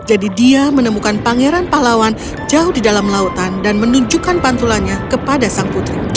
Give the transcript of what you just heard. jadi dia menemukan pangeran pahlawan jauh di dalam lautan dan menunjukkan pantulannya kepada sang putri